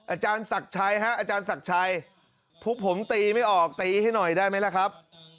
อาจารย์ศักดิ์ชัยฮะอาจารย์ศักดิ์ชัยพวกผมตีไม่ออกตีให้หน่อยได้ไหมล่ะครับ